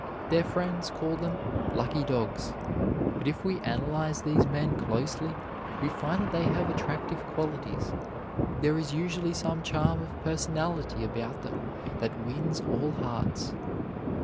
Their friends call them "lucky dogs." But if we analyze these men closely, we find that they have attractive qualities. There is usually some charm of personality about them that wins all hearts.